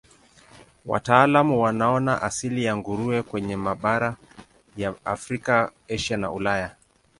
Wataalamu wanaona asili ya nguruwe kwenye mabara ya Afrika, Asia na Ulaya.